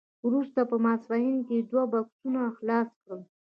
وروسته په ماسپښین کې دوی بکسونه خلاص کړل